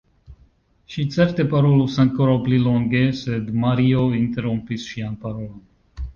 Ŝi certe parolus ankoraŭ pli longe, sed Mario interrompis ŝian parolon.